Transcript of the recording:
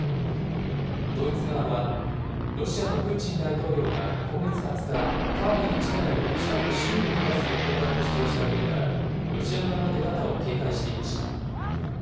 ドイツ側は、ロシアのプーチン大統領が今月２０日、タービン１台を近く修理に出す予定だと主張したことから、ロシア側の出方を警戒していました。